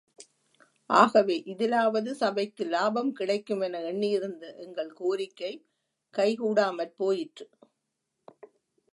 ஆகவே இதிலாவது சபைக்கு லாபம் கிடைக்குமென எண்ணியிருந்த எங்கள் கோரிக்கை கைகூடாமற் போயிற்று.